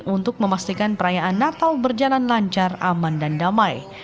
untuk memastikan perayaan natal berjalan lancar aman dan damai